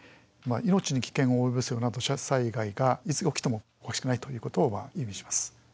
命に危険を及ぼすような土砂災害がいつ起きてもおかしくないということを意味します。